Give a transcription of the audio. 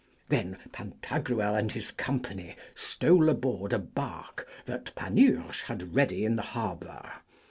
Then Pantagruel and his company stole aboard a barque that Panurge had ready in the harbour.